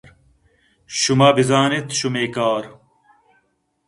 شما بزان اِت شمئے کار